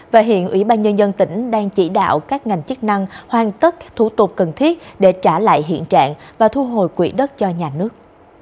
và hiện ủy ban nhân dân tỉnh đang chỉ đạo các ngành chức năng hoàn tất thủ tục cần thiết để trả lại hiện trạng và thu hồi quỹ đất cho nhà nước